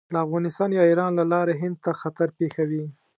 له افغانستان یا ایران له لارې هند ته خطر پېښوي.